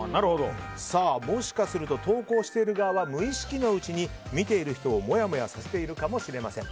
もしかすると投稿してる側は無意識のうちに見ている人をもやもやさせているかもしれません。